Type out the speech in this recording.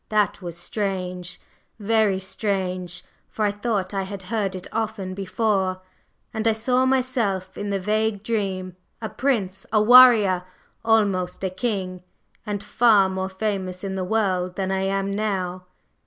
That was strange very strange, for I thought I had heard it often before, and I saw myself in the vague dream, a prince, a warrior, almost a king, and far more famous in the world than I am now!"